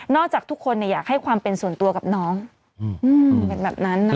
นอกจากทุกคนเนี่ยอยากให้ความเป็นส่วนตัวกับน้องอืมแบบนั้นนะคะ